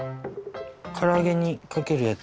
唐揚げにかけるやつ。